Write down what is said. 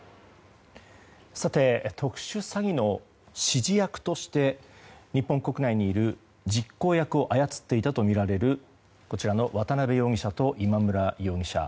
特殊詐欺の指示役として日本国内にいる実行役を操っていたとみられる渡邉容疑者と今村容疑者。